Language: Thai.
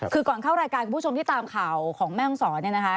คือก่อนเข้ารายการคุณผู้ชมที่ตามข่าวของแม่ห้องศรเนี่ยนะคะ